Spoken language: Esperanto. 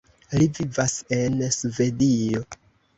Li vivas en Svedio.